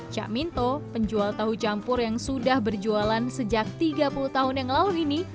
cak minto penjual tahu campur yang sudah berjualan sejak tiga puluh tahun yang lalu ini